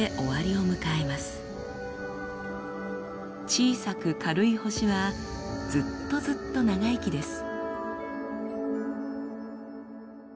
小さく軽い星はずっとずっと長生きです。